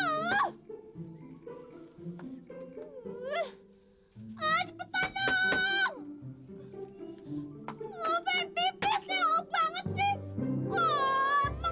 berarti aku harus kerja dong